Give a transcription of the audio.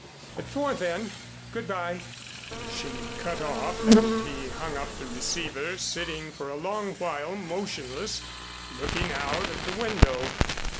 At four, then. Good by." She cut off and he hung up the receiver, sitting for a long while motionless, looking out of the window.